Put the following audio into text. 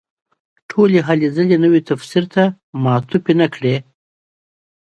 ټولې هلې ځلې نوي تفسیر ته معطوف نه کړي.